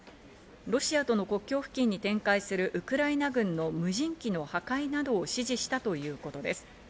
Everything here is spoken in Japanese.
ロシアとの国境付近に展開するウクライナ軍の無人機の破壊などを指示したということです。